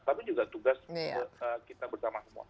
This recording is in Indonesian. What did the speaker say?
tapi juga tugas kita bersama semua